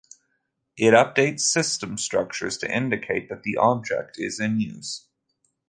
It updates system structures to indicate that the object is in use.